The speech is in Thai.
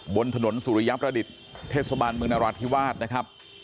บนถนนสุริยประดิษฐ์เทศบาลเมืองนราธิวาสนะครับ